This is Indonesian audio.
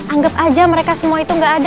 anggap aja mereka semua itu gak ada